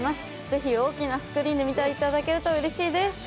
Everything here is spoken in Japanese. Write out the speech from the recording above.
ぜひ、大きなスクリーンで見ていただけるとうれしいです。